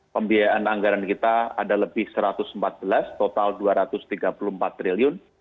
pembiayaan anggaran kita ada lebih rp satu ratus empat belas total rp dua ratus tiga puluh empat triliun